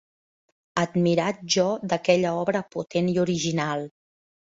Admirat jo d'aquella obra potent i original